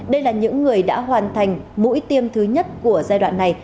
đây là những người đã hoàn thành mũi tiêm thứ nhất của giai đoạn này